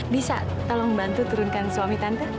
bisa tolong bantu turunkan suami tante